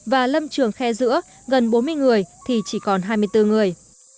và lâm trường khe giữa gần bốn mươi người thì chỉ còn hai mươi bốn người